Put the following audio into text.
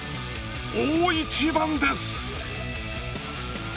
大一番です。